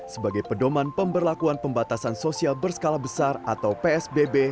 sebagai pedoman pemberlakuan pembatasan sosial berskala besar atau psbb